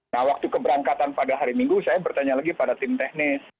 nah waktu keberangkatan pada hari minggu saya bertanya lagi pada tim teknis